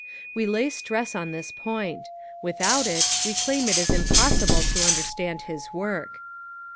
We lay stress on this point. Without it we claim it is impossible to understand his work.